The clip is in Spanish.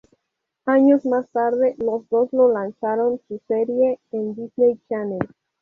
Años más tarde, los dos lo lanzaron su serie en Disney Channel.